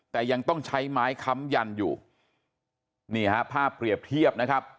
แต่ยังต้องใช้ไม้ค้ำยันอยู่นี่ฮะภาพเปรียบเทียบนะครับ